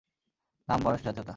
নাম, বয়স, জাতীয়তা।